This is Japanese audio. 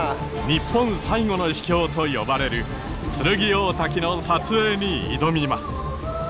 日本最後の秘境と呼ばれる剱大滝の撮影に挑みます。